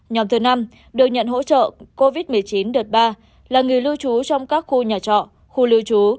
nhóm thứ năm được nhận hỗ trợ covid một mươi chín đợt ba là người lưu trú trong các khu nhà trọ khu lưu trú